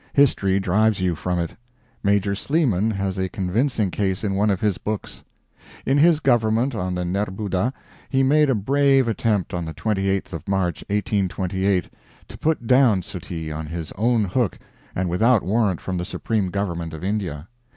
History drives you from it. Major Sleeman has a convincing case in one of his books. In his government on the Nerbudda he made a brave attempt on the 28th of March, 1828, to put down Suttee on his own hook and without warrant from the Supreme Government of India.